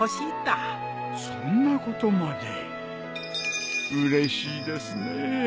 そんなことまでうれしいですね。